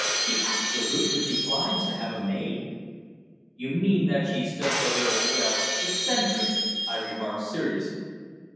She absolutely declines to have a maid." "You mean that she's just a little well, eccentric," I remarked seriously.